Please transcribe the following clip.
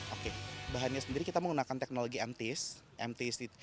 oke bahannya sendiri kita menggunakan teknologi mts